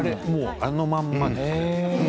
あのまんまです。